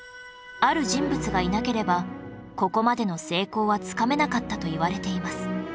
ある人物がいなければここまでの成功はつかめなかったといわれています